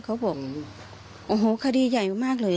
เขาบอกโอ้โหคดีใหญ่มากเลย